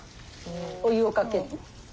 お湯をかける。